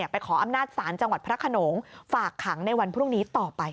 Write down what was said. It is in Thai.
ขออำนาจศาลจังหวัดพระขนงฝากขังในวันพรุ่งนี้ต่อไป